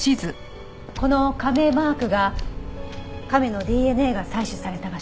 この亀マークが亀のＤＮＡが採取された場所。